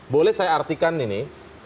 boleh saya artikan ini